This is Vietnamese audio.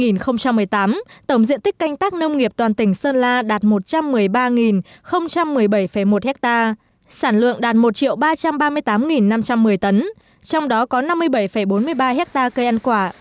năm hai nghìn một mươi tám tổng diện tích canh tác nông nghiệp toàn tỉnh sơn la đạt một trăm một mươi ba một mươi bảy một ha sản lượng đạt một ba trăm ba mươi tám năm trăm một mươi tấn trong đó có năm mươi bảy bốn mươi ba hectare cây ăn quả